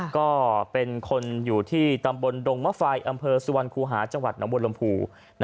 ก็เป็นคนอยู่ที่ตำบลดงมะไฟอำเภอสุวรรณคูหาจังหวัดหนองบวนลมภู